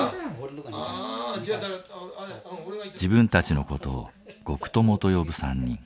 自分たちの事を「獄友」と呼ぶ３人。